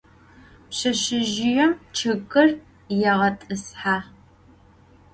Pşseşsezjıêm ççıgır yêğet'ıshe.